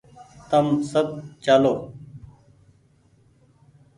تم سب چآلو